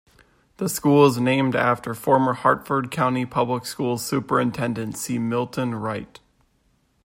The school is named after former Harford County Public Schools superintendent, C. Milton Wright.